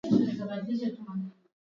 kama vile mto wa swam zoya